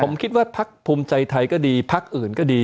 ผมคิดว่าพักภูมิใจไทยก็ดีพักอื่นก็ดี